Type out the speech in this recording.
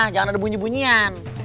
jangan ada bunyi bunyian